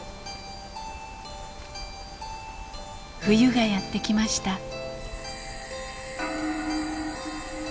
冬がやって来ました。